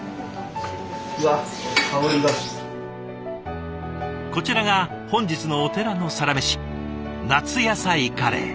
うわっ香りが。こちらが本日のお寺のサラメシ夏野菜カレー。